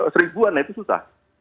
seribuan ya itu susah